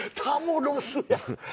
「タモロス」や。